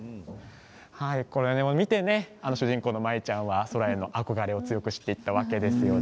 これを見て主人公の舞ちゃんは憧れを強くしていったわけですね